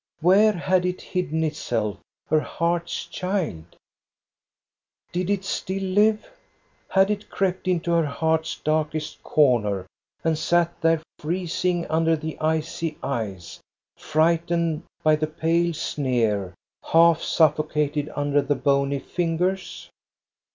Where had it hidden itself, her heart's child ? Did it still live? Had it crept into her heart's darkest corner and sat there freezing under the icy 156 THE STORY OF GOSTA BERLING eyes, frightened by the pale sneer, half suffocated under the bony fingers?